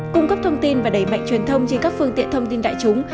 cung cấp thông tin và đẩy mạnh truyền thông trên các phương tiện thông tin đại chúng